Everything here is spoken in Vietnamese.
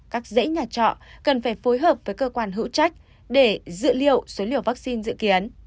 các dãy nhà trọ cần phải phối hợp với cơ quan hữu trách để dự liệu số liều vaccine dự kiến